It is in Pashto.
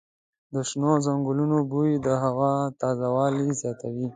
د شنو ځنګلونو بوی د هوا تازه والی زیاتوي.